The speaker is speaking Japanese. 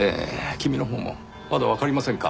君のほうもまだわかりませんか？